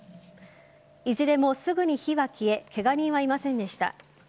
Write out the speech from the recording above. いずれも、すぐに火は消えケガ人はいませんでした。